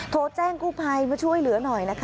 โทรแจ้งกู้ภัยมาช่วยเหลือหน่อยนะคะ